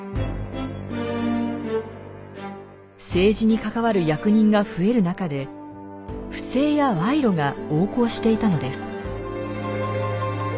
政治に関わる役人が増える中で不正やワイロが横行していたのです。